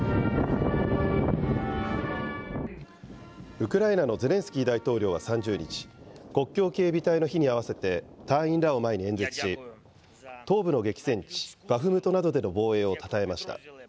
ウクライナのゼレンスキー大統領は３０日、国境警備隊の日に合わせて隊員らを前に演説し、東部の激戦地、バフムトなどでの防衛をたたえました。